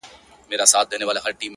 زاړه کيسې بيا راژوندي کيږي تل,